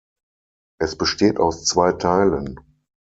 Es besteht aus zwei Teilen.